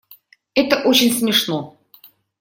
Это очень смешно.